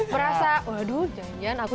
merasa waduh jangan jangan aku